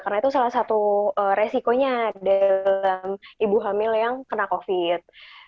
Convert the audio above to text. karena itu salah satu resikonya dalam ibu hamil yang kena covid